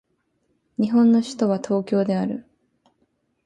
日本の首都は東京である